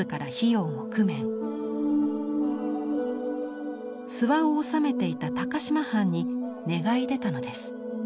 諏訪を治めていた高島藩に願い出たのです。